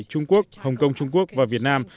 trung quốc hồng kông trung quốc và việt nam